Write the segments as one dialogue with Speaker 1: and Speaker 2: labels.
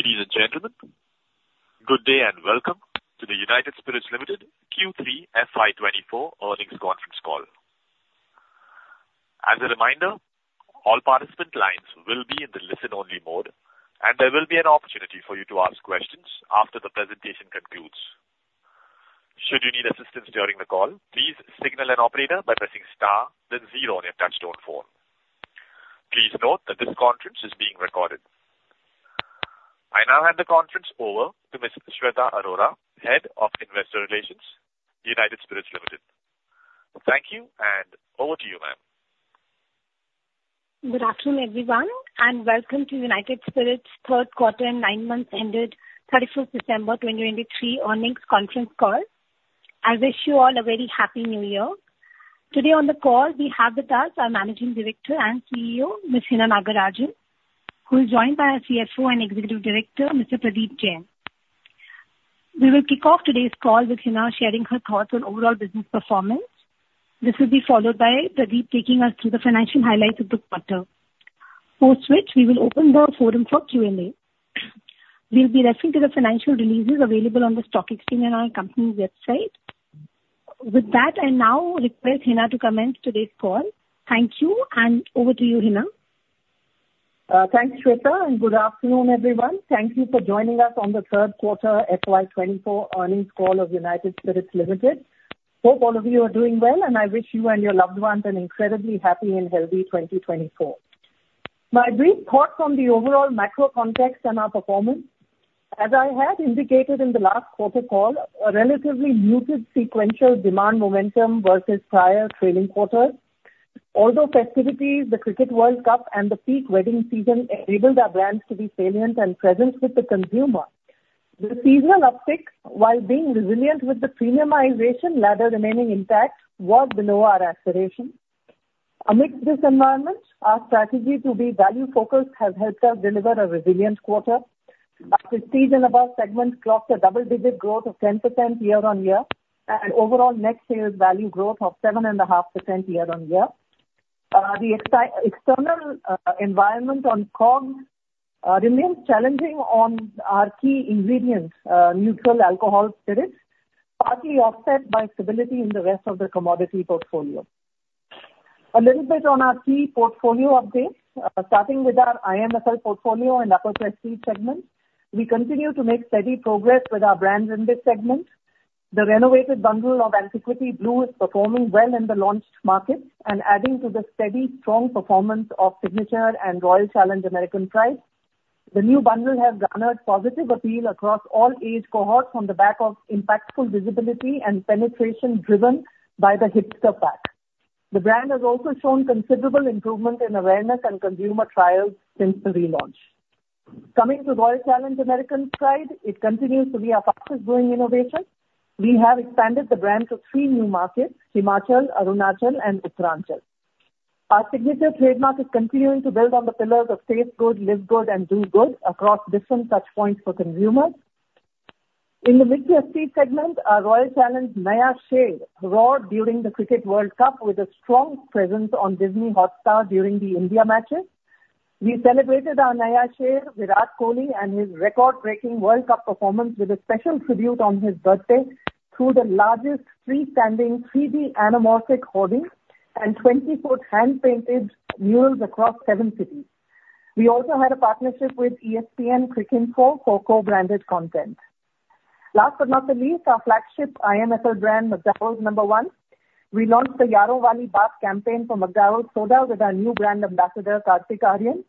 Speaker 1: Ladies and gentlemen, good day and welcome to the United Spirits Limited Q3 FY 2024 earnings conference call. As a reminder, all participant lines will be in the listen-only mode, and there will be an opportunity for you to ask questions after the presentation concludes. Should you need assistance during the call, please signal an operator by pressing star then zero on your touch-tone phone. Please note that this conference is being recorded. I now hand the conference over to Ms. Shweta Arora, Head of Investor Relations, United Spirits Limited. Thank you, and over to you, ma'am.
Speaker 2: Good afternoon, everyone, and welcome to United Spirits' third quarter and nine-month ended 31st December 2023 earnings conference call. I wish you all a very Happy New Year. Today on the call, we have with us our Managing Director and CEO, Ms. Hina Nagarajan, who is joined by our CFO and Executive Director, Mr. Pradeep Jain. We will kick off today's call with Hina sharing her thoughts on overall business performance. This will be followed by Pradeep taking us through the financial highlights of the quarter. Post which, we will open the forum for Q&A. We'll be referring to the financial releases available on the stock exchange and on our company website. With that, I now request Hina to commence today's call. Thank you, and over to you, Hina.
Speaker 3: Thanks, Shweta, and good afternoon, everyone. Thank you for joining us on the third quarter FY 2024 earnings call of United Spirits Limited. Hope all of you are doing well, and I wish you and your loved ones an incredibly happy and healthy 2024. My brief thoughts on the overall macro context and our performance. As I had indicated in the last quarter call, a relatively muted sequential demand momentum versus prior trailing quarter. Although festivities, the Cricket World Cup and the peak wedding season enabled our brands to be salient and present with the consumer, the seasonal uptick, while being resilient with the premiumization ladder remaining intact, was below our aspirations. Amidst this environment, our strategy to be value-focused has helped us deliver a resilient quarter. Our Prestige & Above segments clocked a double-digit growth of 10% year-on-year and overall NSV growth of 7.5% year-on-year. The external environment on COGS remains challenging on our key ingredients, Neutral Alcohol spirits, partly offset by stability in the rest of the commodity portfolio. A little bit on our key portfolio updates, starting with our IMFL portfolio and prestige segment. We continue to make steady progress with our brands in this segment. The renovated bundle of Antiquity Blue is performing well in the launched markets and adding to the steady, strong performance of Signature and Royal Challenge American Pride. The new bundle has garnered positive appeal across all age cohorts on the back of impactful visibility and penetration driven by the Hipster Pack. The brand has also shown considerable improvement in awareness and consumer trials since the relaunch. Coming to Royal Challenge American Pride, it continues to be our fastest growing innovation. We have expanded the brand to three new markets, Himachal, Arunachal, and Uttaranchal. Our Signature trademark is continuing to build on the pillars of taste good, live good, and do good across different touchpoints for consumers. In the mid-prestige segment, our Royal Challenge Naya Sher roar during the Cricket World Cup with a strong presence on Disney+ Hotstar during the India matches. We celebrated our Naya Sher, Virat Kohli, and his record-breaking World Cup performance with a special tribute on his birthday through the largest freestanding 3D anamorphic hoarding and 20 ft hand-painted murals across seven cities. We also had a partnership with ESPNcricinfo for co-branded content. Last but not the least, our flagship IMFL brand, McDowell's No.1. We launched the Yaaron Wali Baat campaign for McDowell's No.1 Soda with our new brand ambassador, Kartik Aaryan,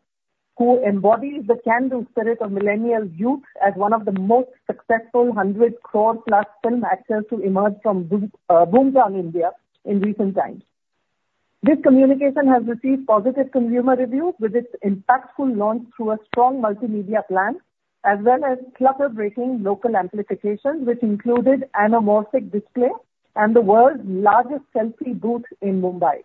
Speaker 3: who embodies the can-do spirit of millennial youth as one of the most successful 100 crore+ film actors to emerge from boomtown India in recent times. This communication has received positive consumer reviews with its impactful launch through a strong multimedia plan, as well as clutter-breaking local amplification, which included anamorphic display and the world's largest selfie booth in Mumbai.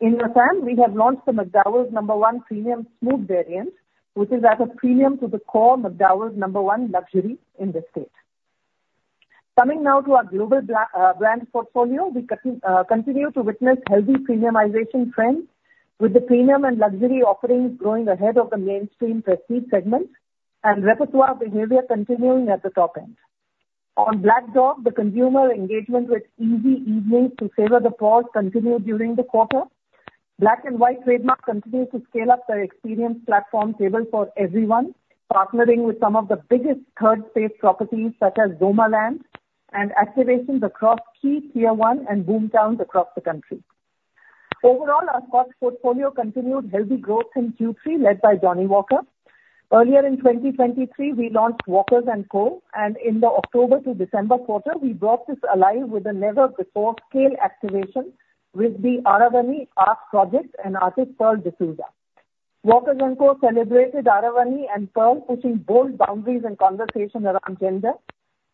Speaker 3: In Assam, we have launched the McDowell's No.1 premium smooth variant, which is at a premium to the core McDowell's No.1 Luxury in the state. Coming now to our global brand portfolio, we continue to witness healthy premiumization trends, with the premium and luxury offerings growing ahead of the mainstream prestige segment and repertoire behavior continuing at the top end. On Black Dog, the consumer engagement with easy evenings to savor the pause continued during the quarter. Black & White trademark continued to scale up their experience platform Table For Everyone, partnering with some of the biggest third-space properties such as Zomaland and activations across key Tier One and boomtowns across the country. Overall, our Scotch portfolio continued healthy growth in Q3, led by Johnnie Walker. Earlier in 2023, we launched Walkers & Co. and in the October to December quarter, we brought this alive with a never-before-scale activation with the Aravani Art Project and artist Pearl D'Souza. Walkers & Co. celebrated Aravani and Pearl, pushing bold boundaries and conversation around gender,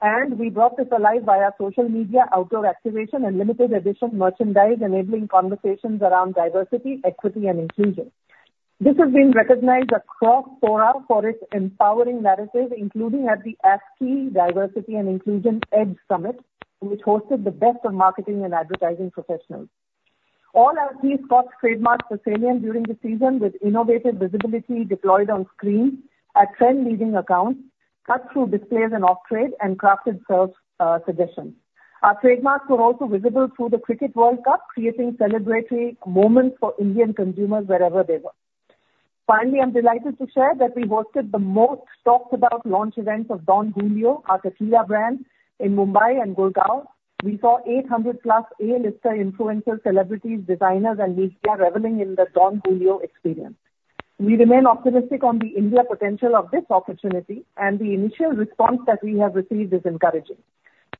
Speaker 3: and we brought this alive via social media, outdoor activation and limited edition merchandise, enabling conversations around diversity, equity and inclusion. This has been recognized across fora for its empowering narrative, including at the ASCI Diversity and Inclusion EDGE Summit, which hosted the best of marketing and advertising professionals... All our key Scotch trademarks for sale during the season, with innovative visibility deployed on screen at trend leading accounts, cut through displays and off trade, and crafted sales suggestions. Our trademarks were also visible through the Cricket World Cup, creating celebratory moments for Indian consumers wherever they were. Finally, I'm delighted to share that we hosted the most talked about launch event of Don Julio, our tequila brand, in Mumbai and Gurgaon. We saw 800+ A-lister influencers, celebrities, designers, and media reveling in the Don Julio experience. We remain optimistic on the India potential of this opportunity, and the initial response that we have received is encouraging.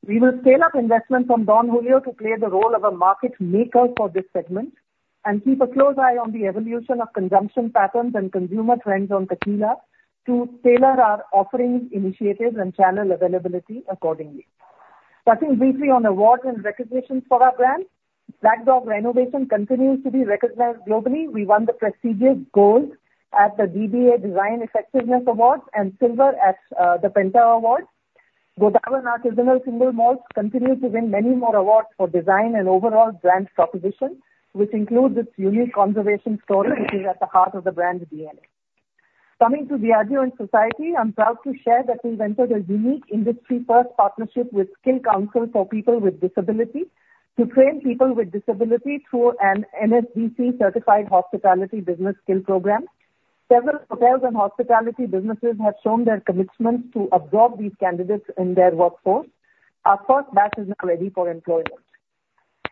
Speaker 3: We will scale up investment from Don Julio to play the role of a market maker for this segment and keep a close eye on the evolution of consumption patterns and consumer trends on tequila to tailor our offerings, initiatives, and channel availability accordingly. Touching briefly on awards and recognitions for our brand. Black Dog Renovation continues to be recognized globally. We won the prestigious gold at the DBA Design Effectiveness Awards and silver at the Pentawards. Godawan Artisanal Single Malts continued to win many more awards for design and overall brand proposition, which includes its unique conservation story, which is at the heart of the brand's DNA. Coming to Diageo and society, I'm proud to share that we entered a unique industry-first partnership with Skill Council for People with Disability to train people with disability through an NSDC certified hospitality business skill program. Several hotels and hospitality businesses have shown their commitment to absorb these candidates in their workforce. Our first batch is now ready for employment.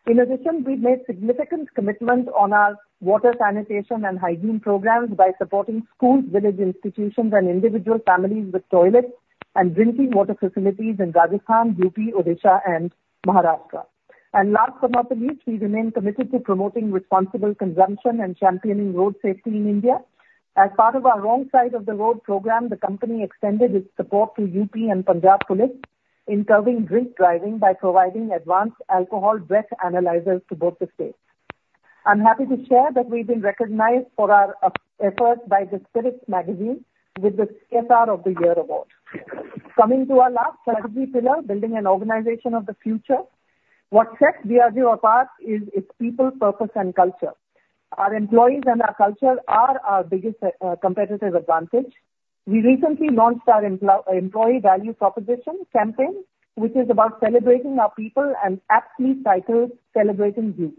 Speaker 3: In addition, we've made significant commitments on our water, sanitation, and hygiene programs by supporting schools, village institutions, and individual families with toilets and drinking water facilities in Rajasthan, U.P., Odisha, and Maharashtra. And last but not the least, we remain committed to promoting responsible consumption and championing road safety in India. As part of our Wrong Side of the Road program, the company extended its support to U.P. and Punjab Police in curbing drink driving by providing advanced alcohol breath analyzers to both the states. I'm happy to share that we've been recognized for our efforts by the Spiritz Magazine with the CSR of the Year award. Coming to our last strategy pillar, building an organization of the future. What sets Diageo apart is its people, purpose, and culture. Our employees and our culture are our biggest competitive advantage. We recently launched our employee value proposition campaign, which is about celebrating our people and aptly titled Celebrating You.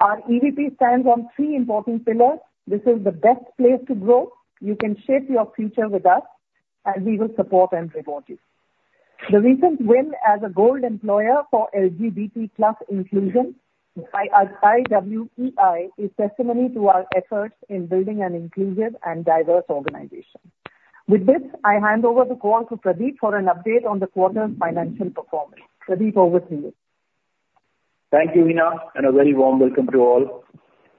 Speaker 3: Our EVP stands on three important pillars: This is the best place to grow, you can shape your future with us, and we will support and reward you. The recent win as a gold employer for LGBT+ inclusion by our IWEI is testimony to our efforts in building an inclusive and diverse organization. With this, I hand over the call to Pradeep for an update on the quarter's financial performance. Pradeep, over to you.
Speaker 4: Thank you, Hina, and a very warm welcome to all.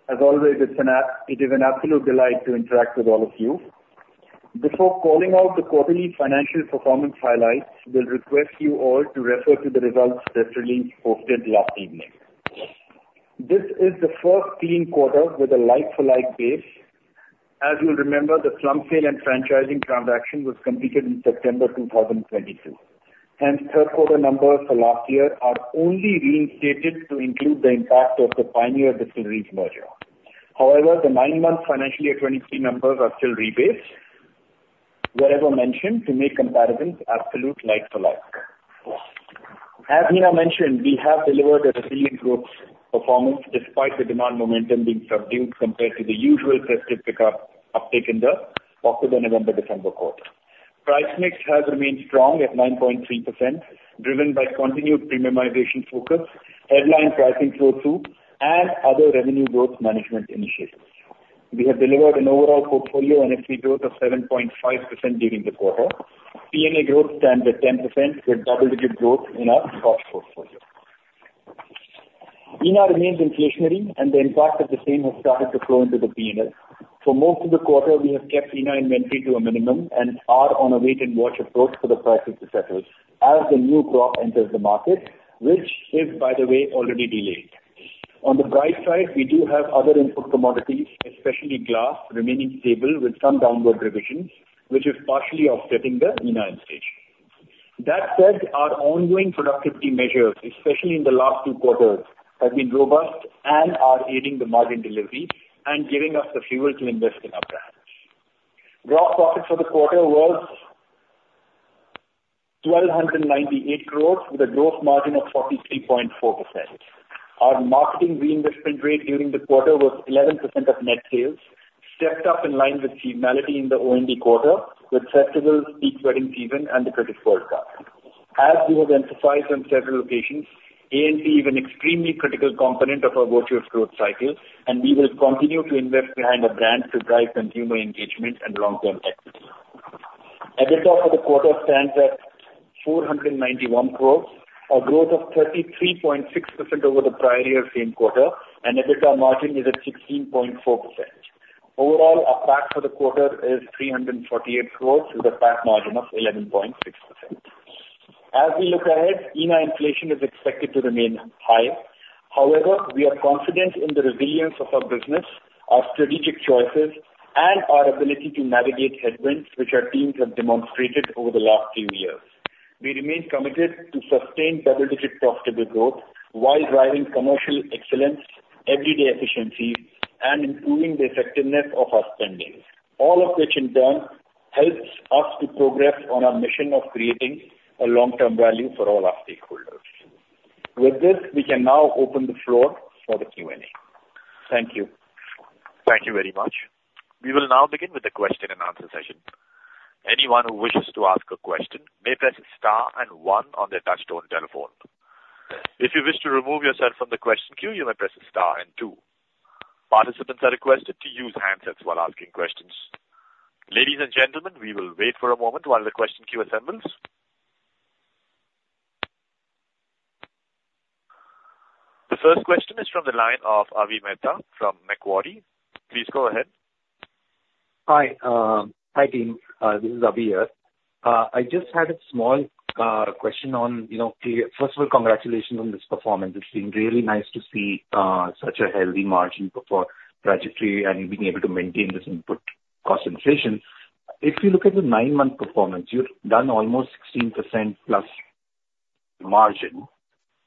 Speaker 4: As always, it is an absolute delight to interact with all of you. Before calling out the quarterly financial performance highlights, we'll request you all to refer to the results that were released, posted last evening. This is the first clean quarter with a like-for-like base. As you'll remember, the slump sale and franchising transaction was completed in September 2022, and third quarter numbers for last year are only restated to include the impact of the Pioneer Distilleries merger. However, the nine-month financial year 2023 numbers are still rebased, wherever mentioned, to make comparisons absolute like for like. As Hina mentioned, we have delivered a resilient growth performance despite the demand momentum being subdued compared to the usual festive pickup uptake in the October, November, December quarter. Price mix has remained strong at 9.3%, driven by continued premiumization focus, headline pricing flow through, and other revenue growth management initiatives. We have delivered an overall portfolio and [organic] growth of 7.5% during the quarter. P&A growth stands at 10%, with double-digit growth in our Scotch portfolio. ENA remains inflationary and the impact of the same has started to flow into the P&L. For most of the quarter, we have kept ENA inventory to a minimum and are on a wait and watch approach for the prices to settle as the new crop enters the market, which is, by the way, already delayed. On the bright side, we do have other input commodities, especially glass, remaining stable with some downward revisions, which is partially offsetting the ENA inflation. That said, our ongoing productivity measures, especially in the last two quarters, have been robust and are aiding the margin delivery and giving us the fuel to invest in our brands. Gross profit for the quarter was 1,298 crore with a gross margin of 43.4%. Our marketing reinvestment rate during the quarter was 11% of net sales, stepped up in line with seasonality in the OND quarter with festivals, peak wedding season, and the Cricket World Cup. As we have emphasized on several occasions, A&P is an extremely critical component of our virtuous growth cycle, and we will continue to invest behind the brand to drive consumer engagement and long-term equity. EBITDA for the quarter stands at 491 crore, a growth of 33.6% over the prior year same quarter, and EBITDA margin is at 16.4%. Overall, our PAT for the quarter is 348 crore, with a PAT margin of 11.6%. As we look ahead, ENA inflation is expected to remain high. However, we are confident in the resilience of our business, our strategic choices, and our ability to navigate headwinds, which our teams have demonstrated over the last few years.... We remain committed to sustained double-digit profitable growth, while driving commercial excellence, everyday efficiency, and improving the effectiveness of our spending. All of which, in turn, helps us to progress on our mission of creating a long-term value for all our stakeholders. With this, we can now open the floor for the Q&A. Thank you.
Speaker 1: Thank you very much. We will now begin with the question and answer session. Anyone who wishes to ask a question may press star and one on their touchtone telephone. If you wish to remove yourself from the question queue, you may press star and two. Participants are requested to use handsets while asking questions. Ladies and gentlemen, we will wait for a moment while the question queue assembles. The first question is from the line of Avi Mehta from Macquarie. Please go ahead.
Speaker 5: Hi. Hi, team. This is Avi here. I just had a small question on, you know, first of all, congratulations on this performance. It's been really nice to see such a healthy margin trajectory and being able to maintain this input cost inflation. If you look at the 9-month performance, you've done almost 16%+ margin,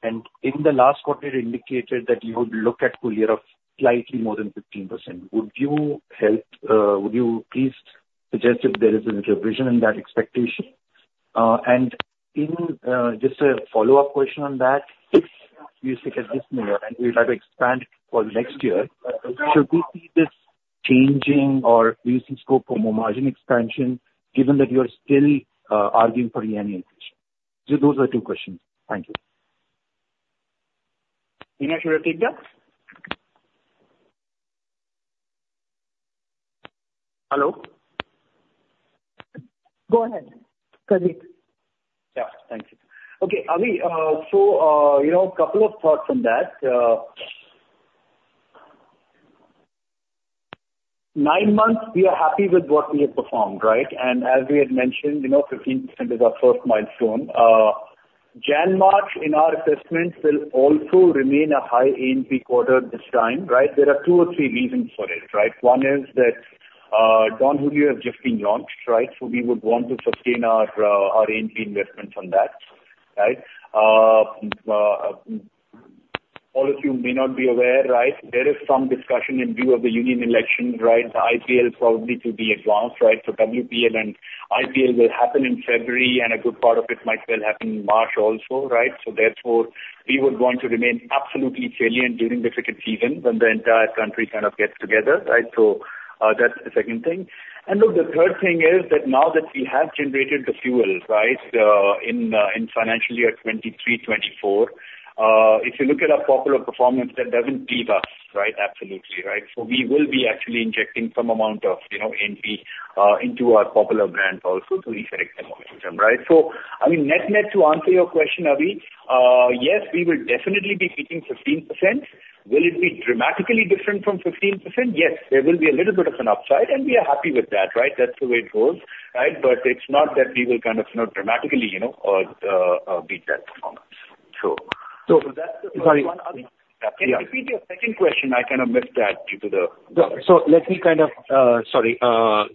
Speaker 5: and in the last quarter, you indicated that you would look at full year of slightly more than 15%. Would you help, would you please suggest if there is a revision in that expectation? And even just a follow-up question on that, if you look at this year, and we'd like to expand it for next year, should we see this changing or increasing scope for more margin expansion, given that you are still arguing for the ENA increase? Those are two questions. Thank you.
Speaker 4: Hina, should I take that? Hello?
Speaker 3: Go ahead, Pradeep.
Speaker 4: Yeah, thank you. Okay, Avi, so, you know, a couple of thoughts on that. Nine months, we are happy with what we have performed, right? And as we had mentioned, you know, 15% is our first milestone. January, March in our assessments will also remain a high A&P quarter this time, right? There are two or three reasons for it, right? One is that, Don Julio has just been launched, right? So we would want to sustain our A&P investment on that, right? All of you may not be aware, right, there is some discussion in view of the union election, right? The IPL probably to be advanced, right? So WPL and IPL will happen in February, and a good part of it might well happen in March also, right? So therefore, we would want to remain absolutely salient during the cricket season when the entire country kind of gets together, right? So, that's the second thing. And look, the third thing is that now that we have generated the fuel, right, in, in financial year 2023-2024, if you look at our popular performance, that doesn't leave us, right? Absolutely, right. So we will be actually injecting some amount of, you know, A&P into our popular brands also to resurrect the momentum, right? So, I mean, net, net, to answer your question, Avi, yes, we will definitely be hitting 15%. Will it be dramatically different from 15%? Yes, there will be a little bit of an upside, and we are happy with that, right? That's the way it goes, right? But it's not that we will kind of, you know, dramatically, you know, beat that performance. So, so that's the first one. Sorry. Can you repeat your second question? I kind of missed that due to the -
Speaker 5: Yeah. So let me kind of. Sorry.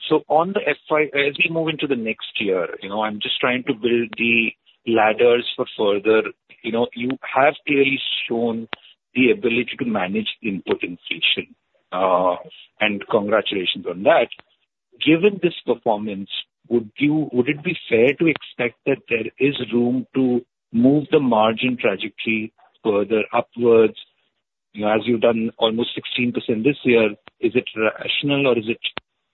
Speaker 5: So on the FY, as we move into the next year, you know, I'm just trying to build the ladders for further, you know, you have clearly shown the ability to manage input inflation, and congratulations on that. Given this performance, would you - would it be fair to expect that there is room to move the margin trajectory further upwards, you know, as you've done almost 16% this year, is it rational or is it?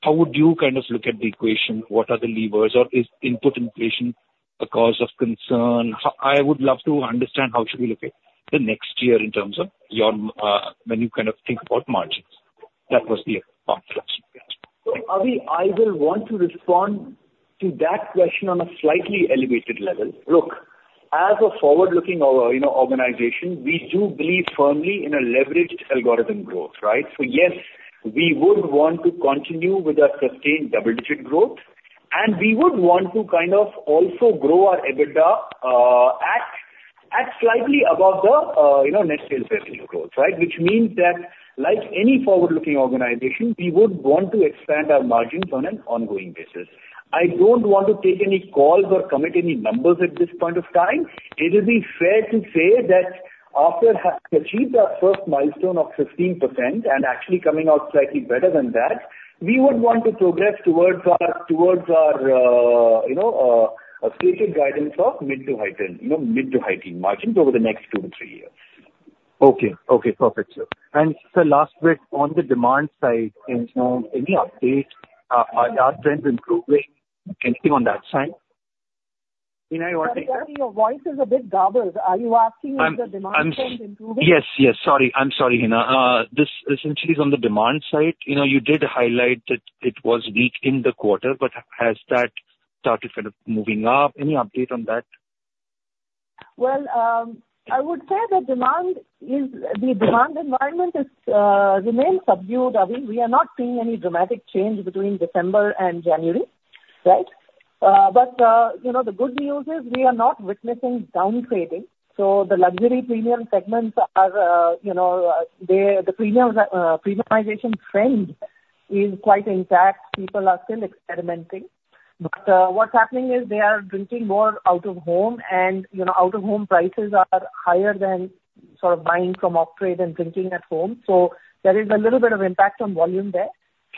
Speaker 5: How would you kind of look at the equation? What are the levers or is input inflation a cause of concern? I would love to understand how should we look at the next year in terms of your, when you kind of think about margins. That was the first question.
Speaker 4: So Avi, I will want to respond to that question on a slightly elevated level. Look, as a forward-looking organization, you know, we do believe firmly in a leveraged algorithm growth, right? So yes, we would want to continue with our sustained double-digit growth, and we would want to kind of also grow our EBITDA at slightly above the, you know, net sales revenue growth, right? Which means that like any forward-looking organization, we would want to expand our margins on an ongoing basis. I don't want to take any calls or commit any numbers at this point of time. It will be fair to say that after having achieved our first milestone of 15%, and actually coming out slightly better than that, we would want to progress towards our, you know, a stated guidance of mid- to high-teens, you know, mid- to high-teens margins over the next two to three years.
Speaker 5: Okay. Okay, perfect, sir. And sir, last bit, on the demand side, you know, any update, are trends improving? Anything on that side? Hina, you want to take that?
Speaker 3: Your voice is a bit garbled. Are you asking if the demand trend improved?
Speaker 5: Yes, yes, sorry. I'm sorry, Hina. This essentially is on the demand side. You know, you did highlight that it was weak in the quarter, but has that started kind of moving up? Any update on that?
Speaker 3: Well, I would say that the demand environment remains subdued, Avi. We are not seeing any dramatic change between December and January, right? But you know, the good news is we are not witnessing down trading. So the luxury premium segments are, you know, the premiumization trend is quite intact. People are still experimenting, but what's happening is they are drinking more out of home, and, you know, out-of-home prices are higher than sort of buying from off-trade and drinking at home. So there is a little bit of impact on volume there.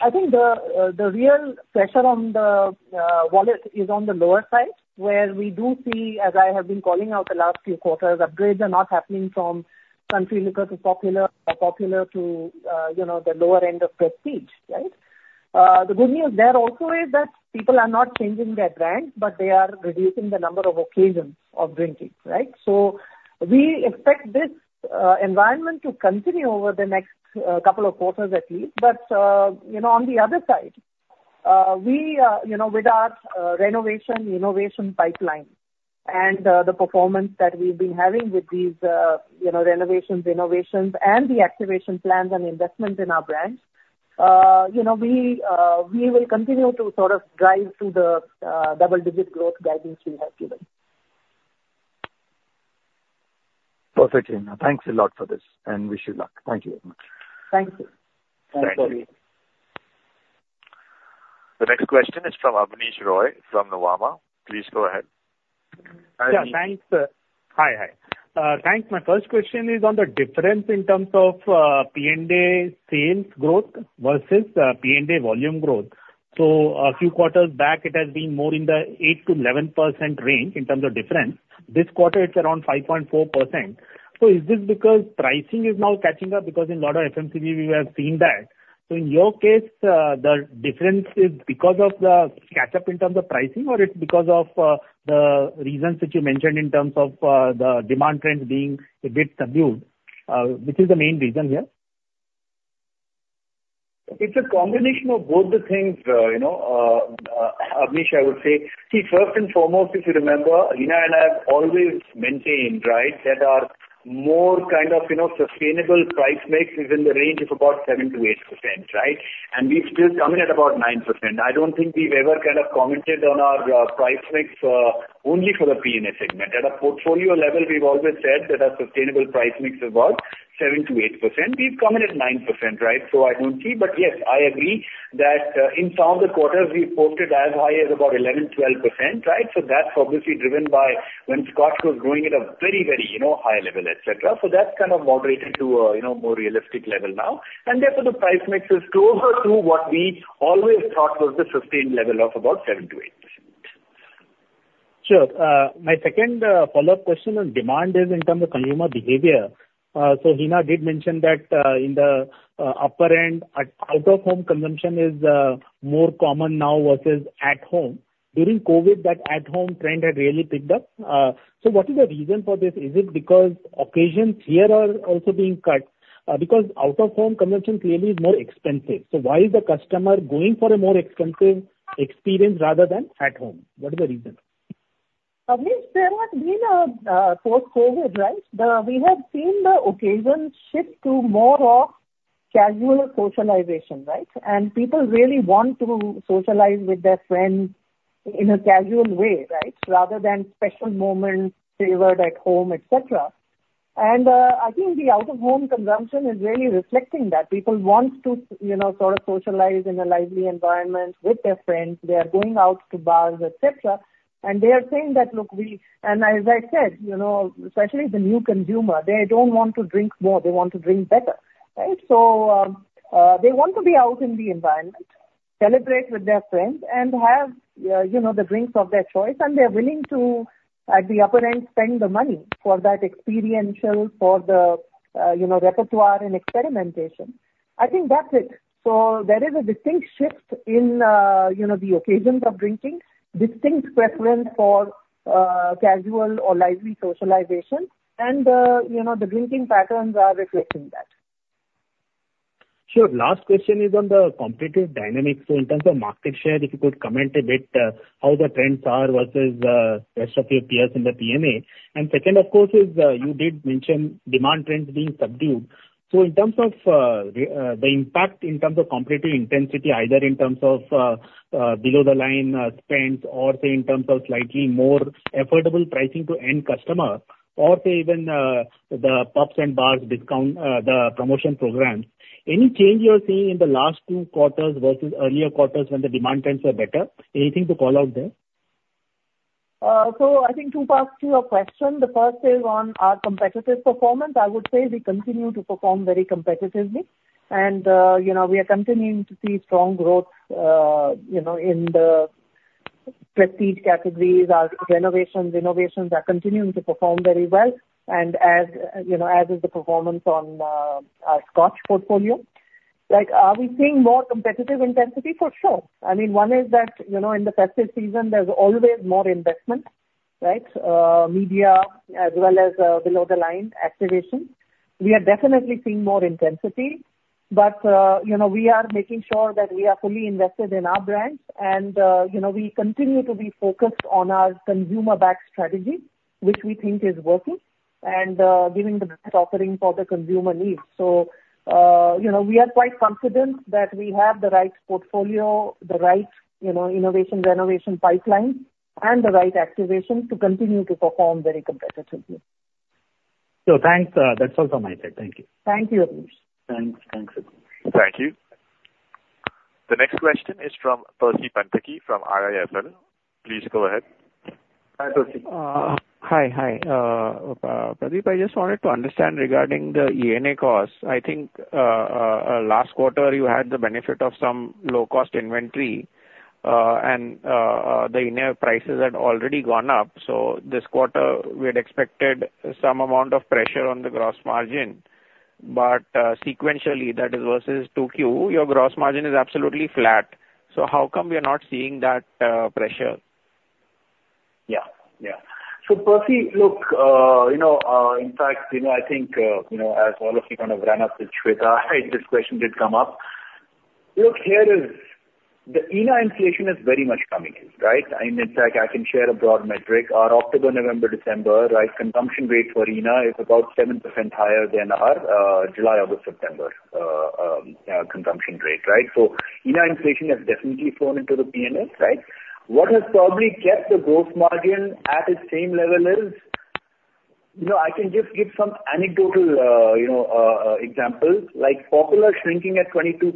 Speaker 3: I think the, the real pressure on the, wallet is on the lower side, where we do see, as I have been calling out the last few quarters, upgrades are not happening from country liquor to popular, or popular to, you know, the lower end of prestige, right? The good news there also is that people are not changing their brand, but they are reducing the number of occasions of drinking, right? So we expect this, environment to continue over the next, couple of quarters at least. You know, on the other side, we, you know, with our renovation, innovation pipeline, and the performance that we've been having with these, you know, renovations, innovations, and the activation plans and investments in our brands, you know, we, we will continue to sort of drive to the double-digit growth guidance we have given.
Speaker 5: Perfectly. Now, thanks a lot for this, and wish you luck. Thank you very much.
Speaker 3: Thank you.
Speaker 4: Thank you.
Speaker 1: The next question is from Abneesh Roy from Nuvama. Please go ahead.
Speaker 6: Yeah, thanks. Hi, hi. Thanks. My first question is on the difference in terms of P&A sales growth versus P&A volume growth. So a few quarters back, it has been more in the 8%-11% range in terms of difference. This quarter, it's around 5.4%. So is this because pricing is now catching up? Because in a lot of FMCG we have seen that. So in your case, the difference is because of the catch-up in terms of pricing, or it's because of the reasons that you mentioned in terms of the demand trends being a bit subdued? Which is the main reason here?
Speaker 4: It's a combination of both the things, you know, Abneesh, I would say. See, first and foremost, if you remember, Hina and I have always maintained, right, that our more kind of, you know, sustainable price mix is in the range of about 7%-8%, right? And we've still come in at about 9%. I don't think we've ever kind of commented on our, price mix, only for the P&A segment. At a portfolio level, we've always said that our sustainable price mix is about 7%-8%. We've come in at 9%, right? So I don't see... But yes, I agree that, in some of the quarters, we've posted as high as about 11%-12%, right? So that's obviously driven by when Scotch was growing at a very, very, you know, high level, et cetera. So that's kind of moderated to a, you know, more realistic level now, and therefore, the price mix is closer to what we always thought was the sustained level of about 7%-8%.
Speaker 6: Sure. My second follow-up question on demand is in terms of consumer behavior. So Hina did mention that in the upper end, out-of-home consumption is more common now versus at home. During COVID, that at-home trend had really picked up. So what is the reason for this? Is it because occasions here are also being cut? Because out-of-home consumption clearly is more expensive. So why is the customer going for a more expensive experience rather than at home? What is the reason?
Speaker 3: Abneesh, there has been a post-COVID, right? We have seen the occasions shift to more of casual socialization, right? And people really want to socialize with their friends in a casual way, right? Rather than special moments favored at home, et cetera. And I think the out-of-home consumption is really reflecting that. People want to, you know, sort of socialize in a lively environment with their friends. They are going out to bars, et cetera, and they are saying that, "Look, we," and as I said, you know, especially the new consumer, they don't want to drink more, they want to drink better, right? So, they want to be out in the environment, celebrate with their friends, and have, you know, the drinks of their choice, and they're willing to, at the upper end, spend the money for that experiential, for the, you know, repertoire and experimentation. I think that's it. So there is a distinct shift in, you know, the occasions of drinking, distinct preference for, casual or lively socialization, and, you know, the drinking patterns are reflecting that.
Speaker 6: Sure. Last question is on the competitive dynamics. So in terms of market share, if you could comment a bit, how the trends are versus rest of your peers in the P&A. And second, of course, is, you did mention demand trends being subdued. So in terms of the impact in terms of competitive intensity, either in terms of below-the-line spends or say in terms of slightly more affordable pricing to end customer or say even the pubs and bars discount the promotion programs, any change you are seeing in the last two quarters versus earlier quarters when the demand trends were better? Anything to call out there?
Speaker 3: So I think two parts to your question. The first is on our competitive performance. I would say we continue to perform very competitively and, you know, we are continuing to see strong growth, you know, in the prestige categories. Our renovations, innovations are continuing to perform very well and as, you know, as is the performance on, our Scotch portfolio. Like, are we seeing more competitive intensity? For sure. I mean, one is that, you know, in the festive season there's always more investment, right? Media as well as, below-the-line activation. We are definitely seeing more intensity, but, you know, we are making sure that we are fully invested in our brands and, you know, we continue to be focused on our consumer-backed strategy, which we think is working, and giving the best offering for the consumer needs. You know, we are quite confident that we have the right portfolio, the right, you know, innovation, renovation pipeline, and the right activation to continue to perform very competitively....
Speaker 6: So thanks, that's all from my side. Thank you.
Speaker 3: Thank you, Apoorv.
Speaker 4: Thanks. Thanks, Apoorv.
Speaker 1: Thank you. The next question is from Percy Panthaki from IIFL. Please go ahead.
Speaker 4: Hi, Percy.
Speaker 7: Hi, Pradeep, I just wanted to understand regarding the ENA costs. I think last quarter, you had the benefit of some low-cost inventory, and the ENA prices had already gone up. So this quarter, we had expected some amount of pressure on the gross margin, but sequentially, that is, versus 2Q, your gross margin is absolutely flat. So how come we are not seeing that pressure?
Speaker 4: Yeah, yeah. So Percy, look, you know, in fact, you know, I think, you know, as all of you kind of ran up with Shweta, this question did come up. Look, here is... The ENA inflation is very much coming in, right? I mean, in fact, I can share a broad metric. Our October, November, December, right, consumption rate for ENA is about 7% higher than our, July, August, September, consumption rate, right? So ENA inflation has definitely flown into the P&L, right? What has probably kept the gross margin at its same level is, you know, I can just give some anecdotal, you know, example, like, Popular shrinking at 22%,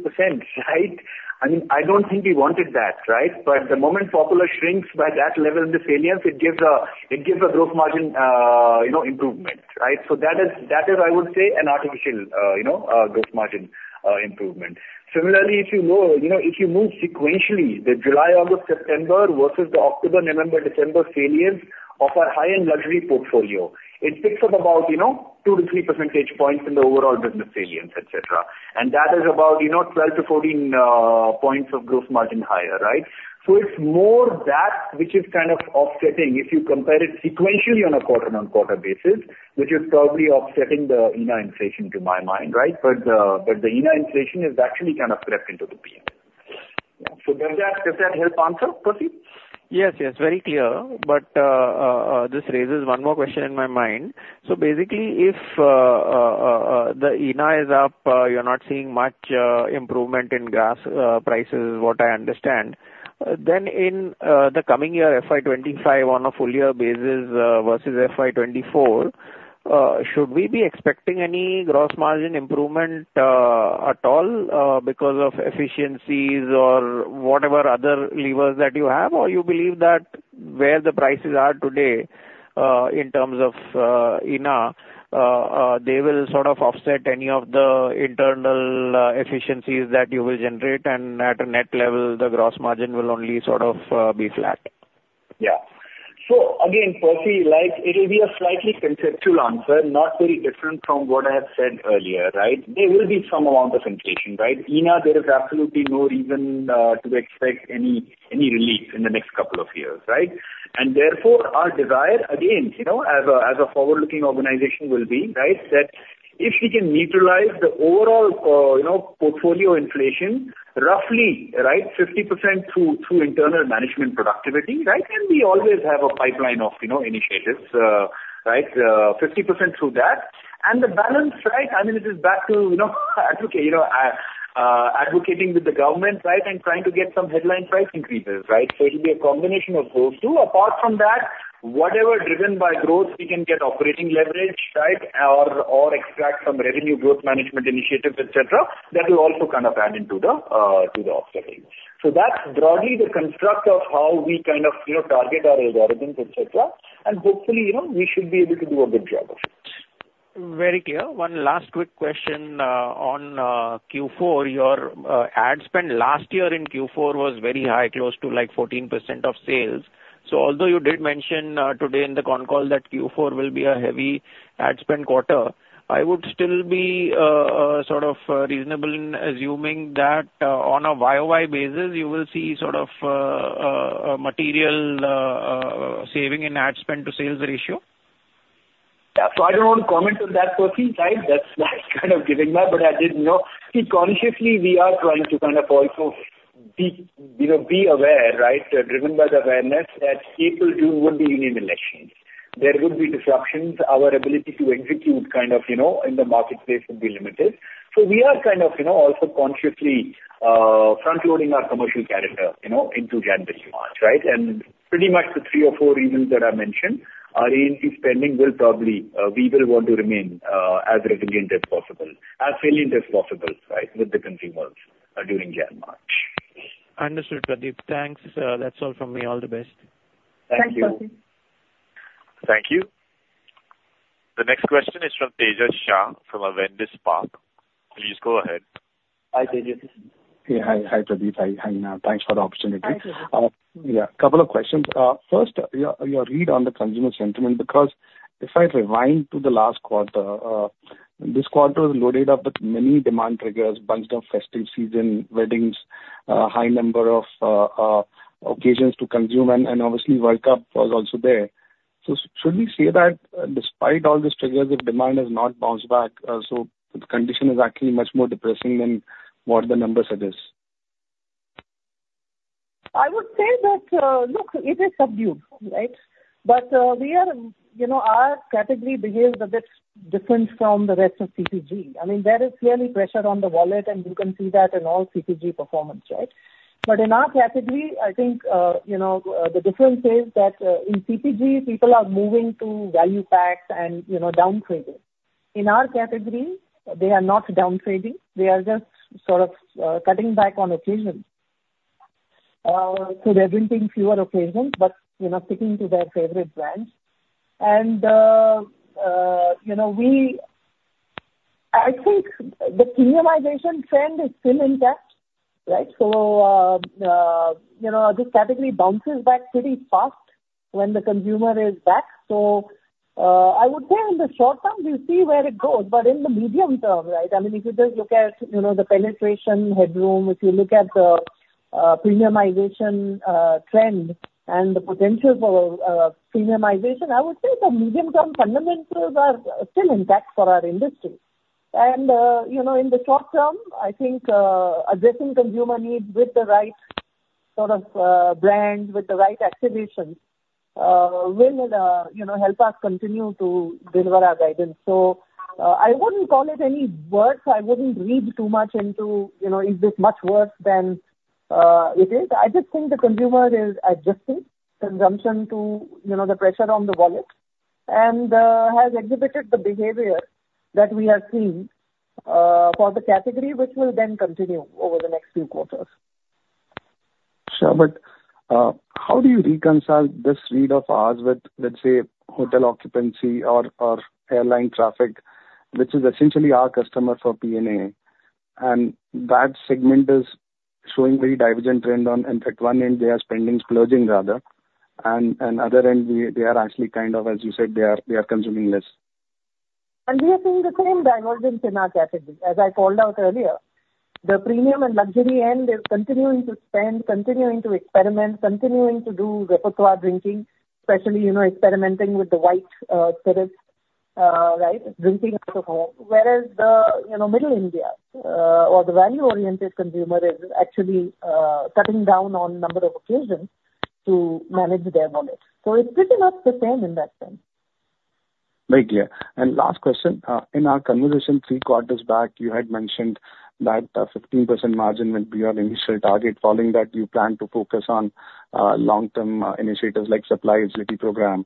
Speaker 4: right? I mean, I don't think we wanted that, right? But the moment Popular shrinks by that level in the sales, it gives a gross margin, you know, improvement, right? So that is, I would say, an artificial, you know, gross margin improvement. Similarly, if you go, you know, if you move sequentially, the July, August, September versus the October, November, December sales of our high-end luxury portfolio, it picks up about, you know, 2 percentage points-3 percentage points in the overall business sales, et cetera. And that is about, you know, 12-14 points of gross margin higher, right? So it's more that which is kind of offsetting if you compare it sequentially on a quarter-on-quarter basis, which is probably offsetting the ENA inflation to my mind, right? But the ENA inflation has actually kind of crept into the PM. So does that help answer, Percy?
Speaker 7: Yes, yes, very clear. But, this raises one more question in my mind. So basically, if the ENA is up, you're not seeing much improvement in glass prices, is what I understand, then in the coming year, FY 2025 on a full year basis, versus FY 2024, should we be expecting any gross margin improvement at all, because of efficiencies or whatever other levers that you have? Or you believe that where the prices are today, in terms of ENA, they will sort of offset any of the internal efficiencies that you will generate, and at a net level, the gross margin will only sort of be flat?
Speaker 4: Yeah. So again, Percy, like, it'll be a slightly conceptual answer, not very different from what I have said earlier, right? There will be some amount of inflation, right? ENA, there is absolutely no reason to expect any relief in the next couple of years, right? And therefore, our desire, again, you know, as a forward-looking organization will be, right, that if we can neutralize the overall, you know, portfolio inflation, roughly, right, 50% through internal management productivity, right? And we always have a pipeline of, you know, initiatives, right, 50% through that. And the balance, right, I mean, it is back to, you know, advocating with the government, right? And trying to get some headline price increases, right? So it'll be a combination of those two. Apart from that, whatever driven by growth, we can get operating leverage, right, or, or extract some revenue growth management initiatives, et cetera, that will also kind of add into the, to the offsetting. So that's broadly the construct of how we kind of, you know, target our algorithms, et cetera, and hopefully, you know, we should be able to do a good job of it.
Speaker 7: Very clear. One last quick question, on Q4. Your ad spend last year in Q4 was very high, close to, like, 14% of sales. So although you did mention today in the con call that Q4 will be a heavy ad spend quarter, I would still be sort of reasonable in assuming that on a YOY basis, you will see sort of material saving in ad spend to sales ratio?
Speaker 4: Yeah. So I don't want to comment on that, Percy. Right? That's, that's kind of giving up, but I did, you know. See, consciously, we are trying to kind of also be, you know, be aware, right, driven by the awareness that April, June will be union elections. There would be disruptions. Our ability to execute kind of, you know, in the marketplace would be limited. So we are kind of, you know, also consciously frontloading our commercial calendar, you know, into January, March, right? And pretty much the three or four reasons that I mentioned, our A&P spending will probably, we will want to remain, as resilient as possible, as salient as possible, right, with the consumers, during January, March.
Speaker 7: Understood, Pradeep. Thanks. That's all from me. All the best.
Speaker 4: Thank you.
Speaker 3: Thanks, Percy.
Speaker 1: Thank you. The next question is from Tejas Shah, from Avendus Spark. Please go ahead.
Speaker 4: Hi, Teja.
Speaker 8: Yeah, hi, Pradeep. Hi, Hina. Thanks for the opportunity.
Speaker 3: Hi, Tejas.
Speaker 8: Yeah, a couple of questions. First, your read on the consumer sentiment, because if I rewind to the last quarter, this quarter is loaded up with many demand triggers, bunch of festive season, weddings, high number of occasions to consume, and obviously, World Cup was also there. So should we say that, despite all these triggers, the demand has not bounced back, so the condition is actually much more depressing than what the numbers suggest?
Speaker 3: I would say that, look, it is subdued, right? But, we are, you know, our category behaves a bit different from the rest of CPG. I mean, there is clearly pressure on the wallet, and you can see that in all CPG performance, right? But in our category, I think, you know, the difference is that, in CPG, people are moving to value packs and, you know, downtrading. In our category, they are not downtrading, they are just sort of, cutting back on occasions. So they're drinking fewer occasions, but, you know, sticking to their favorite brands. And, you know, I think the premiumization trend is still intact, right? So, you know, this category bounces back pretty fast when the consumer is back. So, I would say in the short term, we'll see where it goes, but in the medium term, right, I mean, if you just look at, you know, the penetration headroom, if you look at the premiumization trend and the potential for premiumization, I would say the medium-term fundamentals are still intact for our industry. And, you know, in the short term, I think addressing consumer needs with the right sort of brand, with the right activations, will, you know, help us continue to deliver our guidance. So, I wouldn't call it any worse. I wouldn't read too much into, you know, is this much worse than it is? I just think the consumer is adjusting consumption to, you know, the pressure on the wallet and has exhibited the behavior that we have seen for the category, which will then continue over the next few quarters.
Speaker 8: Sure. But, how do you reconcile this read of ours with, let's say, hotel occupancy or airline traffic, which is essentially our customer for P&A? And that segment is showing very divergent trend on, in fact, one end, their spending is closing rather, and other end, they are actually kind of, as you said, they are consuming less.
Speaker 3: We are seeing the same divergence in our category, as I called out earlier. The premium and luxury end is continuing to spend, continuing to experiment, continuing to do repertoire drinking, especially, you know, experimenting with the white spirits, right? Drinking out of home. Whereas the, you know, middle India, or the value-oriented consumer is actually, cutting down on number of occasions to manage their money. So it's pretty much the same in that sense.
Speaker 8: Very clear. Last question: in our conversation three quarters back, you had mentioned that 15% margin would be your initial target. Following that, you plan to focus on long-term initiatives like Supply Agility Program.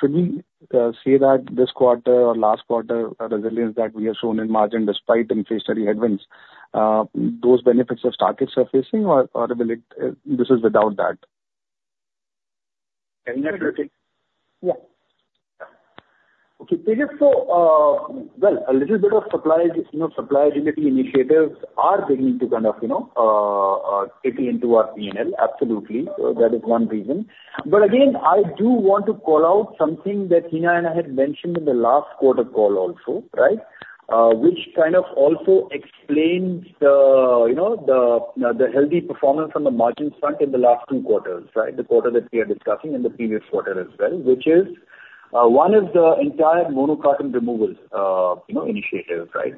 Speaker 8: Should we say that this quarter or last quarter, resilience that we have shown in margin despite inflationary headwinds, those benefits have started surfacing or, or will it, this is without that?
Speaker 4: Can you take?
Speaker 3: Yeah.
Speaker 4: Okay. So, well, a little bit of supply, you know, Supply Agility initiatives are beginning to kind of, you know, kick into our P&L, absolutely. So that is one reason. But again, I do want to call out something that Hina and I had mentioned in the last quarter call also, right? Which kind of also explains the, you know, the healthy performance on the margin front in the last two quarters, right? The quarter that we are discussing and the previous quarter as well, which is one is the entire mono carton removals, you know, initiative, right?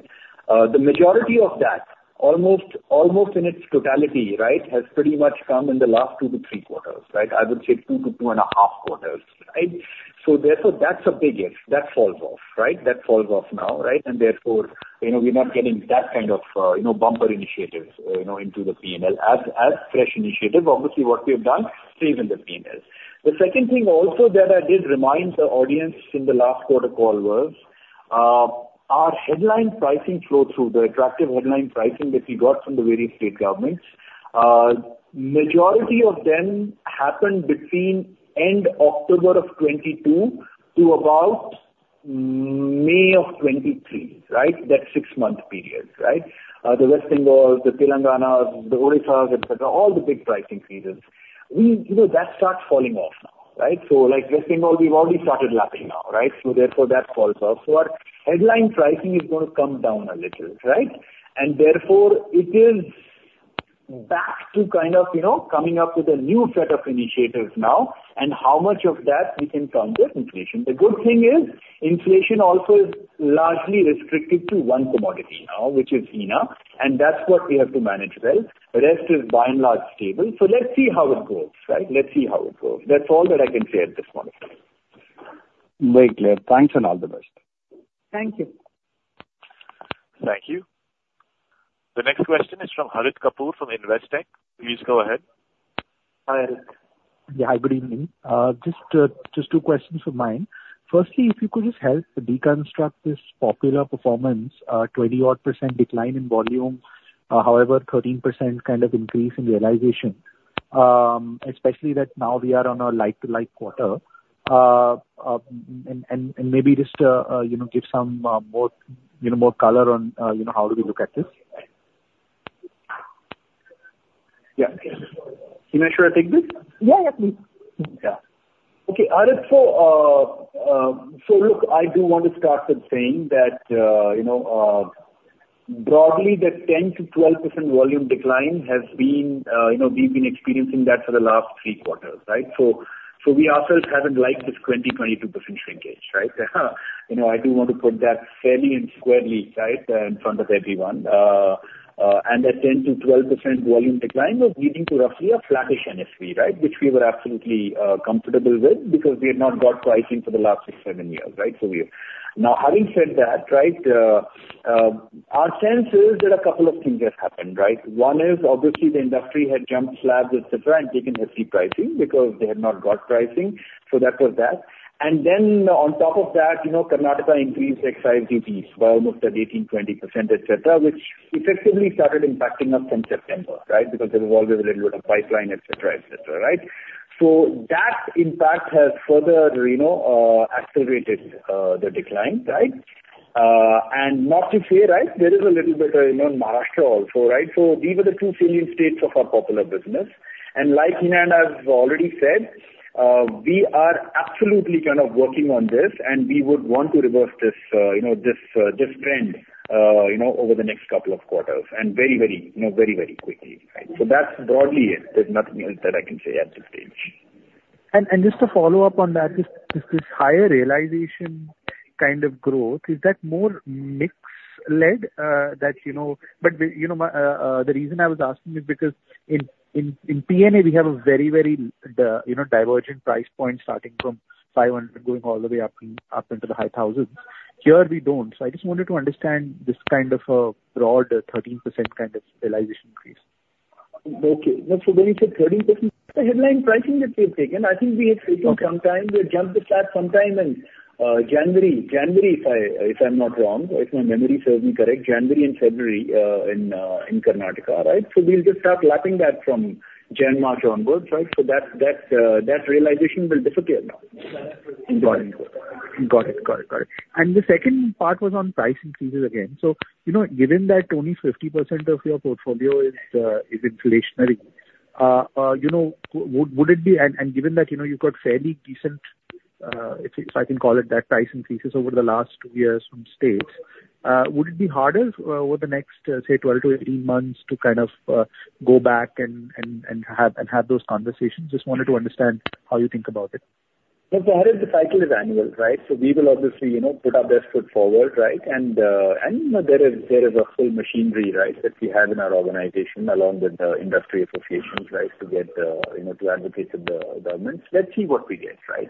Speaker 4: The majority of that, almost, almost in its totality, right, has pretty much come in the last two to three quarters, right? I would say two to two and a half quarters, right? So therefore, that's a big if. That falls off, right? That falls off now, right? And therefore, you know, we're not getting that kind of, you know, bumper initiatives, you know, into the P&L. As fresh initiatives, obviously, what we have done, stays in the P&L. The second thing also that I did remind the audience in the last quarter call was our headline pricing flow through, the attractive headline pricing that we got from the various state governments, majority of them happened between end October of 2022 to about May of 2023, right? That six-month period, right? The West Bengal, the Telangana, the Odisha, et cetera, all the big pricing increases. You know, that starts falling off now, right? So, like West Bengal, we've already started lapping now, right? So therefore, that falls off. So our headline pricing is going to come down a little, right? And therefore, it is back to kind of, you know, coming up with a new set of initiatives now, and how much of that we can counter inflation. The good thing is, inflation also is largely restricted to one commodity now, which is ENA, and that's what we have to manage well. The rest is by and large, stable. So let's see how it goes, right? Let's see how it goes. That's all that I can say at this point in time.
Speaker 8: Very clear. Thanks, and all the best.
Speaker 3: Thank you.
Speaker 1: Thank you. The next question is from Harit Kapoor of Investec. Please go ahead.
Speaker 4: Hi.
Speaker 9: Yeah, good evening. Just, just two questions from mine. Firstly, if you could just help deconstruct this popular performance, 20-odd% decline in volume, however, 13% kind of increase in realization, especially that now we are on a like-to-like quarter. And maybe just, you know, give some more, you know, more color on, you know, how do we look at this?
Speaker 4: Yeah. Hina, should I take this?
Speaker 3: Yeah, yeah, please.
Speaker 4: Yeah. Okay, Harit, so, so look, I do want to start with saying that, you know, broadly, the 10%-12% volume decline has been, you know, we've been experiencing that for the last three quarters, right? So, so we ourselves haven't liked this 22% shrinkage, right? You know, I do want to put that fairly and squarely, right, in front of everyone. And that 10%-12% volume decline was leading to roughly a flattish NSV, right? Which we were absolutely, comfortable with because we had not got pricing for the last six years-seven years, right? So we... Now, having said that, right, our sense is that a couple of things have happened, right? One is obviously the industry had jumped slabs, etc., and taken MRP pricing because they had not got pricing. So that was that. And then on top of that, you know, Karnataka increased excise duties by almost 18%-20%, et cetera, which effectively started impacting us from September, right? Because there is always a little bit of pipeline, et cetera, et cetera, right? So that impact has further, you know, accelerated the decline, right? And not to say, right, there is a little bit of, you know, Maharashtra also, right? So these are the two salient states of our popular business. And like Hina has already said, we are absolutely kind of working on this, and we would want to reverse this, you know, this trend, you know, over the next couple of quarters, and very, very, you know, very, very quickly, right? So that's broadly it. There's nothing else that I can say at this stage.
Speaker 9: Just to follow up on that, is this higher realization kind of growth more mix-led, that you know... But, you know, my, the reason I was asking is because in P&A, we have a very, very, you know, divergent price point, starting from 500, going all the way up into the high thousands. Here, we don't. So I just wanted to understand this kind of a broad 13% kind of realization increase.
Speaker 4: Okay. So when you said 13%, the headline pricing that we have taken, I think we had taken some time. We jumped the slab sometime in, January, January, if I, if I'm not wrong, or if my memory serves me correct, January and February, in, in Karnataka, right? So we'll just start lapping that from January, March onwards, right? So that, that, that realization will disappear now.
Speaker 9: Got it. Got it. Got it. The second part was on price increases again. You know, given that only 50% of your portfolio is inflationary, would it be... And given that, you know, you've got fairly decent, if I can call it that, price increases over the last two years from states, would it be harder over the next, say, 12 months-18 months to kind of go back and have those conversations? Just wanted to understand how you think about it.
Speaker 4: Well, for us, the cycle is annual, right? So we will obviously, you know, put our best foot forward, right? And, you know, there is a full machinery, right, that we have in our organization, along with the industry associations, right, to get, you know, to advocate with the governments. Let's see what we get, right?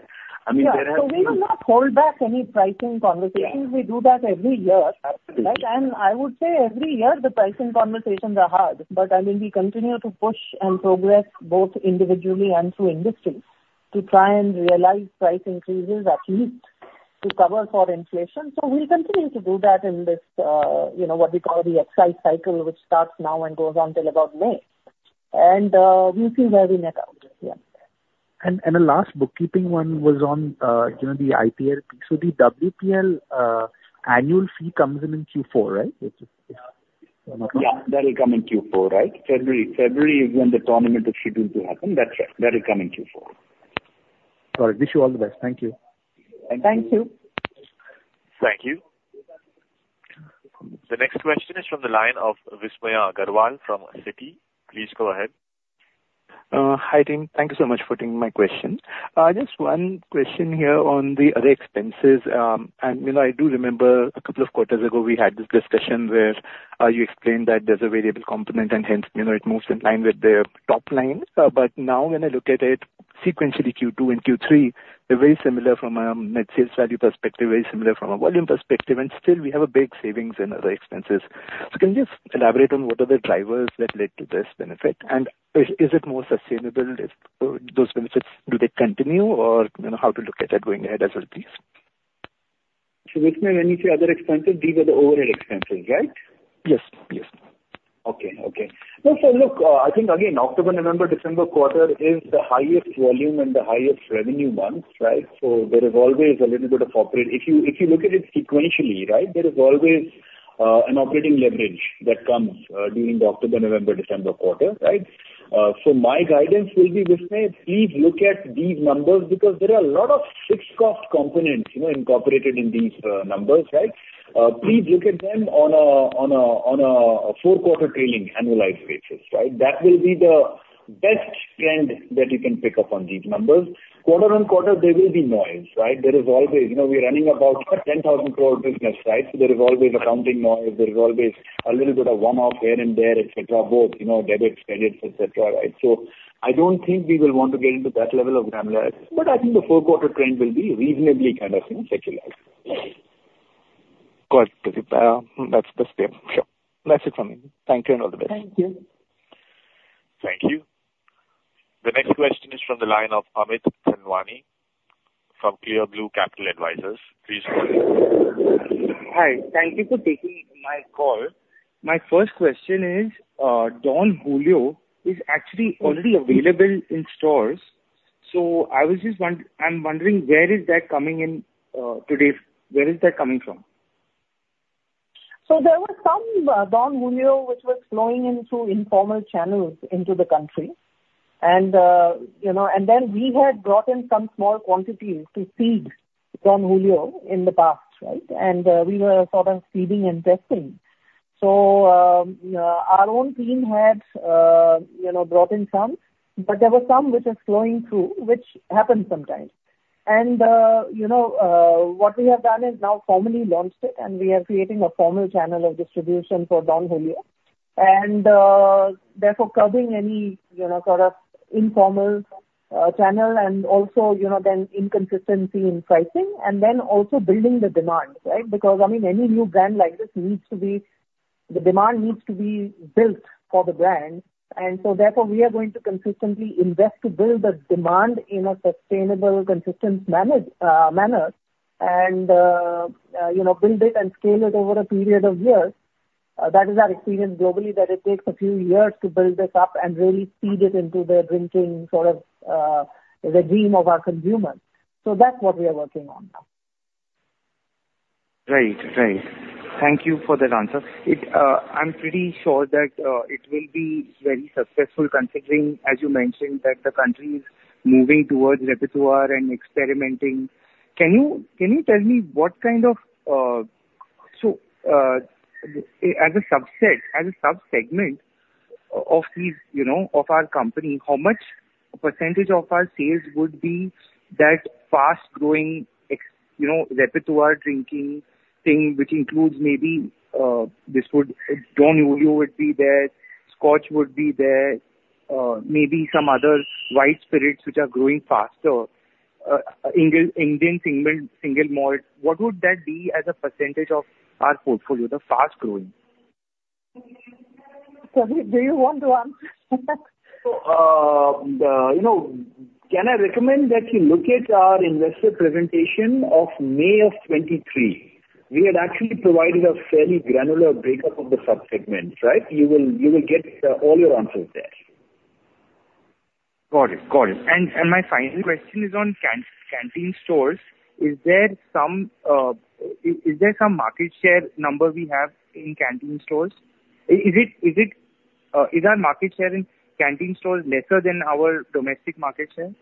Speaker 4: I mean, there has-
Speaker 3: Yeah. So we do not hold back any pricing conversations.
Speaker 4: Yeah.
Speaker 3: We do that every year.
Speaker 4: Absolutely.
Speaker 3: I would say every year the pricing conversations are hard, but, I mean, we continue to push and progress both individually and through industries, to try and realize price increases at least to cover for inflation. So we'll continue to do that in this, you know, what we call the excise cycle, which starts now and goes on till about May. We'll see where we net out. Yeah.
Speaker 9: And the last bookkeeping one was on, you know, the IPL. So the WPL annual fee comes in Q4, right?
Speaker 4: Yeah. That will come in Q4, right. February, February is when the tournament is scheduled to happen. That's right. That will come in Q4.
Speaker 9: All right. Wish you all the best. Thank you.
Speaker 4: Thank you.
Speaker 3: Thank you.
Speaker 1: Thank you. The next question is from the line of Vismaya Agarwal from Citi. Please go ahead.
Speaker 10: Hi, team. Thank you so much for taking my question. Just one question here on the other expenses. You know, I do remember a couple of quarters ago, we had this discussion where you explained that there's a variable component and hence, you know, it moves in line with the top line. But now when I look at it sequentially, Q2 and Q3, they're very similar from a net sales value perspective, very similar from a volume perspective, and still we have a big savings in other expenses. So can you just elaborate on what are the drivers that led to this benefit? And is it more sustainable if those benefits do they continue, or you know, how to look at that going ahead as well, please?
Speaker 4: Vismaya, when you say other expenses, these are the overall expenses, right?
Speaker 10: Yes. Yes.
Speaker 4: Okay, okay. No, so look, I think again, October, November, December quarter is the highest volume and the highest revenue months, right? So there is always a little bit of operating. If you look at it sequentially, right, there is always an operating leverage that comes during the October, November, December quarter, right? So my guidance will be, Vismaya, please look at these numbers, because there are a lot of fixed cost components, you know, incorporated in these numbers, right? Please look at them on a four-quarter trailing annualized basis, right? That will be the best trend that you can pick up on these numbers. Quarter-on-quarter, there will be noise, right? There is always... You know, we are running about 10,000 crore business, right? So there is always accounting noise, there is always a little bit of one-off here and there, et cetera, both, you know, debits, credits, et cetera, right? So I don't think we will want to get into that level of granular, but I think the fourth quarter trend will be reasonably kind of, you know, secular.
Speaker 10: Got it. That's the same. Sure. That's it from me. Thank you, and all the best.
Speaker 3: Thank you.
Speaker 1: Thank you. The next question is from the line of Amit Thawani from ClearBlue Capital Advisors. Please go ahead.
Speaker 11: Hi. Thank you for taking my call. My first question is, Don Julio is actually already available in stores, so I'm wondering where is that coming in, today's... Where is that coming from?
Speaker 3: So there were some Don Julio, which was flowing in through informal channels into the country. And, you know, and then we had brought in some small quantities to seed Don Julio in the past, right? And, we were sort of seeding and testing. So, our own team had, you know, brought in some, but there were some which is flowing through, which happens sometimes. And, you know, what we have done is now formally launched it, and we are creating a formal channel of distribution for Don Julio. And, therefore, curbing any, you know, sort of informal channel and also, you know, then inconsistency in pricing, and then also building the demand, right? Because, I mean, any new brand like this needs to be-... The demand needs to be built for the brand, and so therefore, we are going to consistently invest to build the demand in a sustainable, consistent manner and, you know, build it and scale it over a period of years. That is our experience globally, that it takes a few years to build this up and really seed it into the drinking sort of the dream of our consumers. So that's what we are working on now.
Speaker 11: Great. Great. Thank you for that answer. It, I'm pretty sure that, it will be very successful, considering, as you mentioned, that the country is moving towards repertoire and experimenting. Can you tell me what kind of... So, as a subset, as a subsegment of these, you know, of our company, how much percentage of our sales would be that fast-growing, you know, Repertoire drinking thing, which includes maybe, Johnnie Walker would be there, Scotch would be there, maybe some other white spirits which are growing faster, Indian single malt. What would that be as a percentage of our portfolio, the fast growing?
Speaker 3: Pradeep, do you want to answer?
Speaker 4: You know, can I recommend that you look at our investor presentation of May of 2023? We had actually provided a fairly granular breakup of the subsegments, right? You will get all your answers there.
Speaker 11: Got it. Got it. And my final question is on canteen stores. Is there some market share number we have in canteen stores? Is our market share in canteen stores lesser than our domestic market share?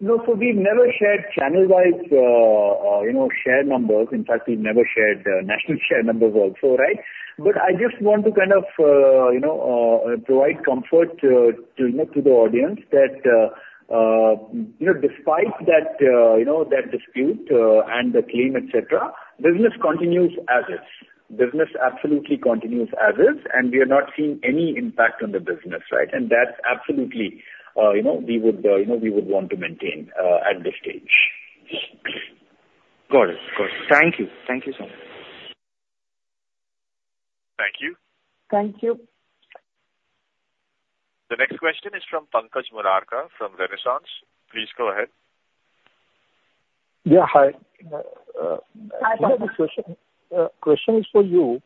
Speaker 4: No. So we've never shared channel-wise, you know, share numbers. In fact, we've never shared national share numbers also, right? But I just want to kind of, you know, provide comfort to you know, to the audience, that you know, despite that, you know, that dispute and the claim, et cetera, business continues as is. Business absolutely continues as is, and we are not seeing any impact on the business, right? And that's absolutely, you know, we would, you know, we would want to maintain at this stage.
Speaker 5: Got it. Got it. Thank you. Thank you so much.
Speaker 1: Thank you.
Speaker 3: Thank you.
Speaker 1: The next question is from Pankaj Murarka from Renaissance. Please go ahead.
Speaker 12: Yeah, hi.
Speaker 3: Hi, Pankaj.
Speaker 12: My question is for you.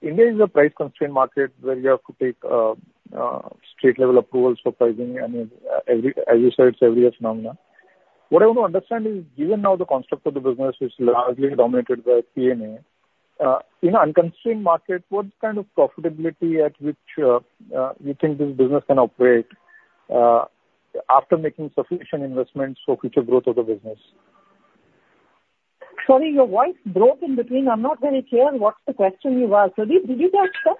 Speaker 12: India is a price-constrained market where you have to take state-level approvals for pricing. I mean, as we, as you said, it's an every-year phenomenon. What I want to understand is, given now the construct of the business is largely dominated by P&A in an unconstrained market, what kind of profitability at which you think this business can operate after making sufficient investments for future growth of the business?
Speaker 3: Sorry, your voice broke in between. I'm not very clear on what's the question you asked. Pradeep, did you get that?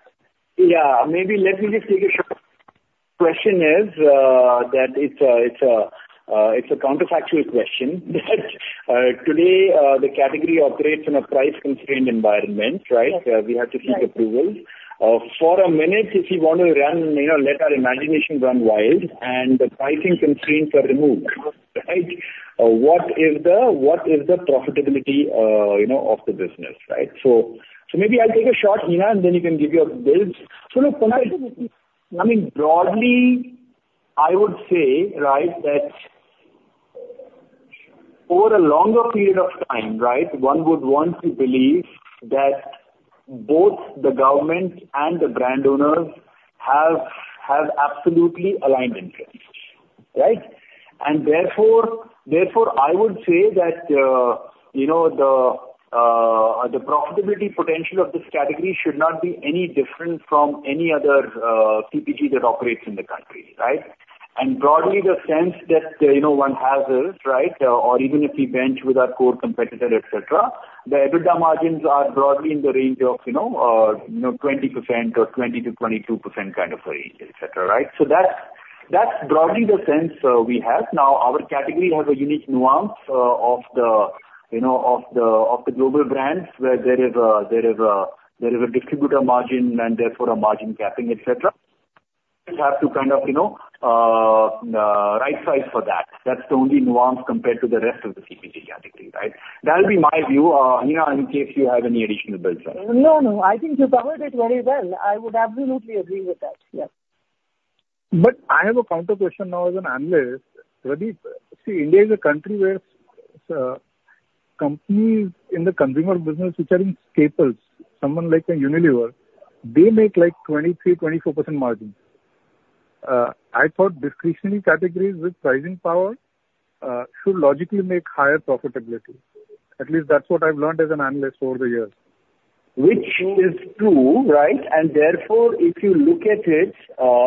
Speaker 4: Yeah, maybe let me just take a shot. Question is, that it's a counterfactual question. Today, the category operates in a price-constrained environment, right?
Speaker 3: Yes.
Speaker 4: We have to-
Speaker 3: Right...
Speaker 4: seek approvals. For a minute, if you want to run, you know, let our imagination run wild and the pricing constraints are removed, right? What is the, what is the profitability, you know, of the business, right? So, maybe I'll take a shot, Hina, and then you can give your builds. So, look, Pankaj, I mean, broadly, I would say, right, that over a longer period of time, right, one would want to believe that both the government and the brand owners have absolutely aligned interests, right? And therefore, I would say that, you know, the profitability potential of this category should not be any different from any other CPG that operates in the country, right? Broadly, the sense that, you know, one has is, right, or even if we benchmark with our core competitor, et cetera, the EBITDA margins are broadly in the range of, you know, you know, 20% or 20%-22% kind of a range, et cetera, right? So that's, that's broadly the sense, we have. Now, our category has a unique nuance, of the, you know, of the, of the global brands, where there is a, there is a, there is a distributor margin and therefore a margin capping, et cetera. You have to kind of, you know, rightsize for that. That's the only nuance compared to the rest of the CPG category, right? That'll be my view. Hina, in case you have any additional builds on it.
Speaker 3: No, no, I think you covered it very well. I would absolutely agree with that. Yes.
Speaker 12: But I have a counter question now as an analyst. Pradeep, see, India is a country where companies in the consumer business, which are in staples, someone like a Unilever, they make, like, 23%-24% margins. I thought discretionary categories with pricing power should logically make higher profitability. At least that's what I've learned as an analyst over the years.
Speaker 4: Which is true, right? And therefore, if you look at it,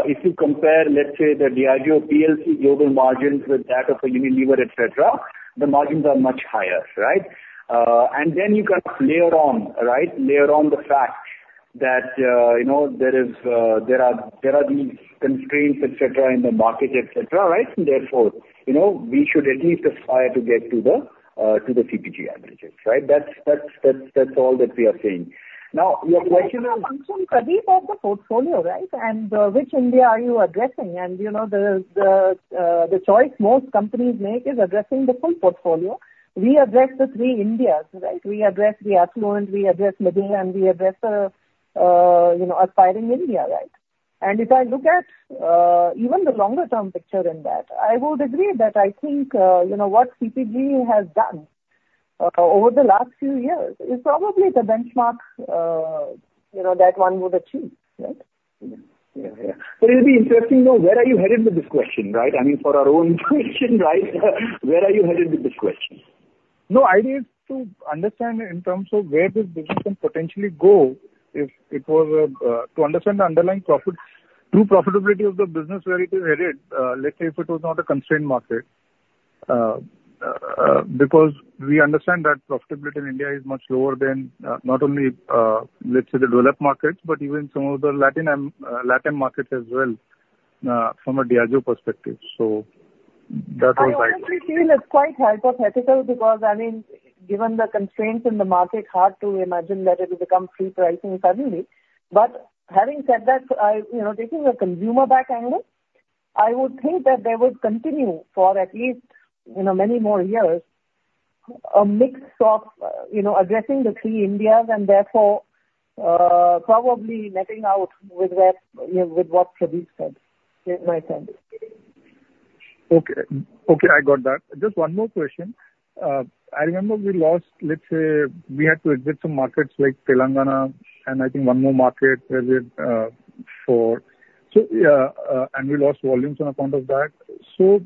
Speaker 4: if you compare, let's say, the Diageo PLC global margins with that of a Unilever, et cetera, the margins are much higher, right? And then you kind of layer on, right? Layer on the fact that, you know, there is, there are, there are these constraints, et cetera, in the market, et cetera, right? And therefore, you know, we should at least aspire to get to the, to the CPG averages, right? That's, that's, that's, that's all that we are saying.... Now, your question is-
Speaker 3: function, Pradeep, of the portfolio, right? And, which India are you addressing? And, you know, the choice most companies make is addressing the full portfolio. We address the three Indias, right? We address the affluent, we address middle, and we address the, you know, aspiring India, right? And if I look at, even the longer-term picture in that, I would agree that I think, you know, what CPG has done, over the last few years is probably the benchmark, you know, that one would achieve, right?
Speaker 4: Yeah, yeah. But it'll be interesting to know where are you headed with this question, right? I mean, for our own question, right? Where are you headed with this question?
Speaker 12: No, I need to understand in terms of where this business can potentially go if it were to understand the underlying profit, true profitability of the business, where it is headed, let's say if it was not a constrained market. Because we understand that profitability in India is much lower than, not only, let's say the developed markets, but even some of the Latin markets as well, from a Diageo perspective. So that's what I-
Speaker 3: I honestly feel it's quite hypothetical because, I mean, given the constraints in the market, hard to imagine that it will become free pricing suddenly. But having said that, I, you know, taking a consumer-back angle, I would think that they would continue for at least, you know, many more years, a mix of, you know, addressing the three Indias, and therefore, probably netting out with what, you know, with what Pradeep said, is my sense.
Speaker 12: Okay. Okay, I got that. Just one more question. I remember we lost... Let's say we had to exit some markets like Telangana, and I think one more market where we and we lost volumes on account of that. So,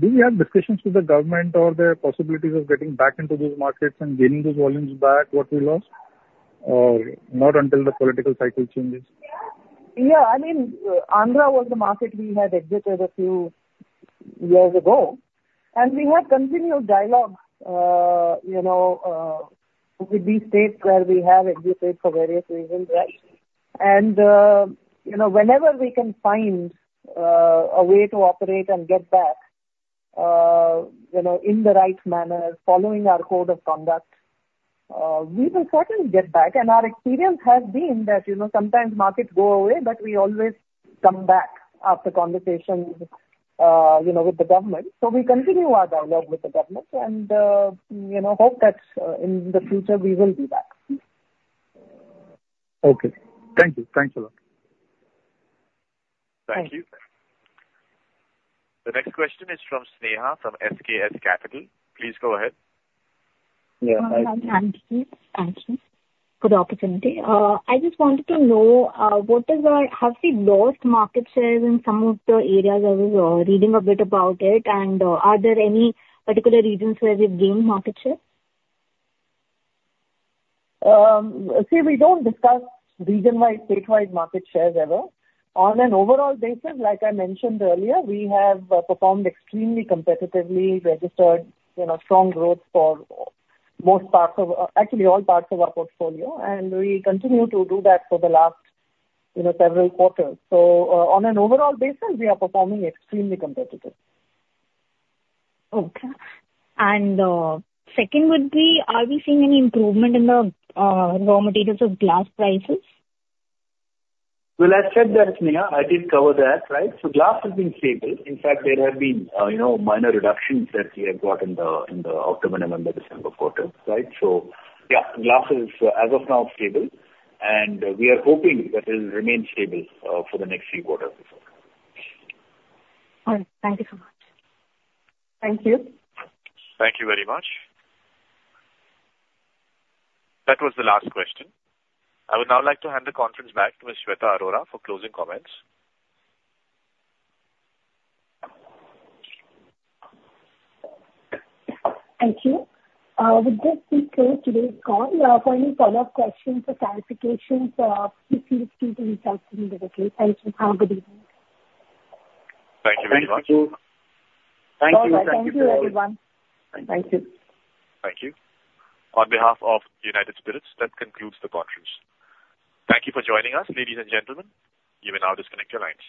Speaker 12: do we have discussions with the government or the possibilities of getting back into those markets and gaining those volumes back, what we lost? Or not until the political cycle changes?
Speaker 3: Yeah, I mean, Andhra was the market we had exited a few years ago, and we have continued dialogue, you know, with these states where we have exited for various reasons, right? And, you know, whenever we can find a way to operate and get back, you know, in the right manner, following our code of conduct, we will certainly get back. And our experience has been that, you know, sometimes markets go away, but we always come back after conversations, you know, with the government. So we continue our dialogue with the government, and, you know, hope that, in the future we will be back.
Speaker 12: Okay. Thank you. Thanks a lot.
Speaker 4: Thank you.
Speaker 3: Thank you.
Speaker 1: The next question is from Sneha, from SKS Capital. Please go ahead.
Speaker 4: Yeah, hi.
Speaker 13: Thank you. Thank you for the opportunity. I just wanted to know, have we lost market shares in some of the areas? I was reading a bit about it. And, are there any particular regions where we've gained market share?
Speaker 3: See, we don't discuss region-wide, statewide market shares ever. On an overall basis, like I mentioned earlier, we have performed extremely competitively, registered, you know, strong growth for most parts of actually all parts of our portfolio, and we continue to do that for the last, you know, several quarters. So, on an overall basis, we are performing extremely competitive.
Speaker 13: Okay. Second would be, are we seeing any improvement in the raw materials of glass prices?
Speaker 4: Well, I said that, Sneha, I did cover that, right? So glass has been stable. In fact, there have been, you know, minor reductions that we have got in the October, November, December quarter, right? So yeah, glass is, as of now, stable, and we are hoping that it'll remain stable, for the next few quarters.
Speaker 13: All right. Thank you so much.
Speaker 3: Thank you.
Speaker 1: Thank you very much. That was the last question. I would now like to hand the conference back to Ms. Shweta Arora for closing comments.
Speaker 2: Thank you. With this, we close today's call. For any follow-up questions or clarifications, please feel free to reach out to me directly. Thank you, and good evening.
Speaker 4: Thank you very much.
Speaker 9: Thank you.
Speaker 4: Thank you.
Speaker 3: All right. Thank you, everyone.
Speaker 4: Thank you.
Speaker 1: Thank you. On behalf of United Spirits, that concludes the conference. Thank you for joining us, ladies and gentlemen. You may now disconnect your lines.